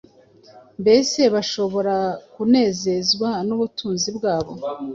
Mbese bashobora kunezezwa n’ubutunzi bwabo?